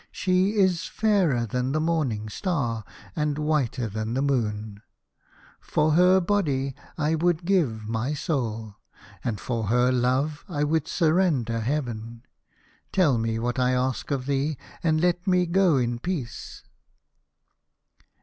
She is fairer than the morning star, and whiter than the moon. For her body I would give my 7 1 A House of Pomegranates. soul, and for her love I would surrender heaven. Tell me what I ask of thee, and let me go in peace."